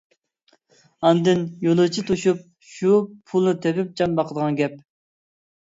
ئاندىن يولۇچى توشۇپ شۇ پۇلنى تېپىپ جان باقىدىغان گەپ.